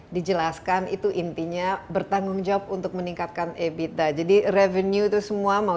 dijelaskan itu intinya bertanggung jawab untuk meningkatkan ebitda jadi revenue itu semua mau